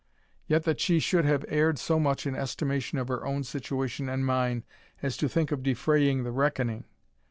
Yet that she should have erred so much in estimation of her own situation and mine, as to think of defraying the reckoning!